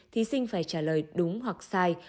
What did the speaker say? thí sinh phải trả lời đúng hoặc sai